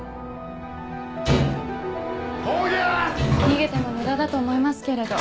・逃げても無駄だと思いますけれど。